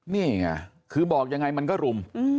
นี่ไงคือบอกยังไงมันก็รุม